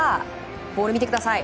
ボールを見てください。